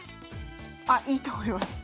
あいいと思います。